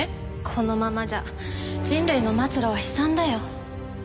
このままじゃ人類の末路は悲惨だよ。